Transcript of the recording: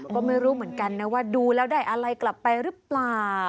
ก็ไม่รู้เหมือนกันนะว่าดูแล้วได้อะไรกลับไปหรือเปล่า